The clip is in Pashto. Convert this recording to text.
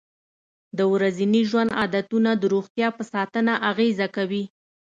د ورځني ژوند عادتونه د روغتیا په ساتنه اغېزه کوي.